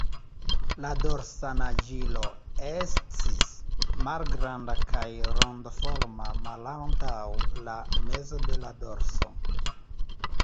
La dorsa naĝilo ests malgranda kaj rondoforma malantaŭ la mezo de la dorso.